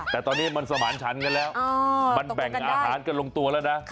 แต่ตอนนี้มันสมานฉันกันแล้วมันแบ่งอาหารกันลงตัวแล้วนะ